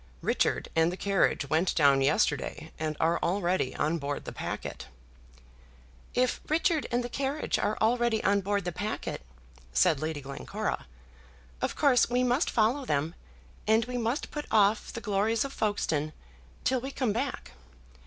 "Richard and the carriage went down yesterday, and are already on board the packet." "If Richard and the carriage are already on board the packet," said Lady Glencora, "of course we must follow them, and we must put off the glories of Folkestone till we come back.